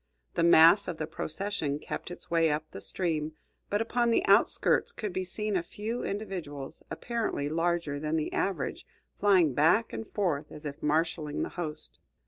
The mass of the procession kept its way up the stream, but upon the outskirts could be seen a few individuals, apparently larger than the average, flying back and forth as if marshaling the host.